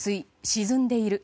沈んでいる。